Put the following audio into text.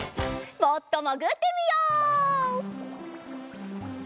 もっともぐってみよう！